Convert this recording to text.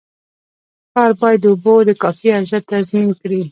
ښار باید د اوبو د کافي عرضه تضمین کړي.